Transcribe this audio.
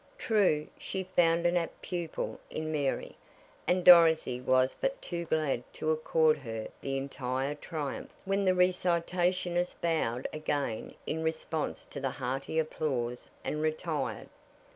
True, she found an apt pupil in Mary, and Dorothy was but too glad to accord her the entire triumph, when the recitationist bowed again in response to the hearty applause and retired.